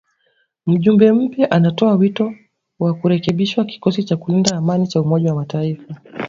Mjumbe mpya anatoa wito wa kurekebishwa kikosi cha kulinda amani cha Umoja wa Mataifa